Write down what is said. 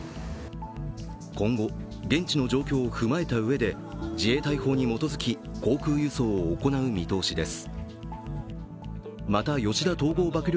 今後、現地の状況を踏まえたうえで自衛隊法に基づき航空輸送を行う見通しです。